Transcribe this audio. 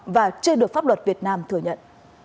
và chưa được pháp luật việt nam thừa nhận